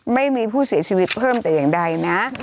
ไม่มีผู้เสียชีวิตเพิ่มแต่อย่างใดนะ